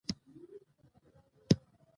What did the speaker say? د شاګردانو او ملګرو سره کله – کله مشروع ټوکي کوئ!